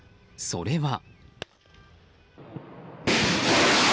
それは。